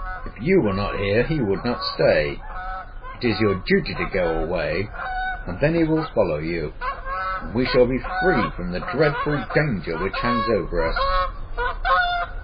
If you were not here, he would not stay. It is your duty to go away and then he will follow you, and we shall be free from the dreadful danger which hangs over us."